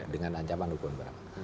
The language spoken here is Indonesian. dengan ancaman hukuman